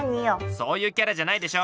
そういうキャラじゃないでしょ！